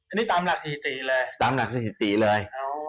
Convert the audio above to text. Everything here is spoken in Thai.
อันนี้ตามหลักสถิติเลยตามหลักสถิติเลย